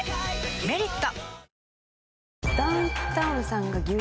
「メリット」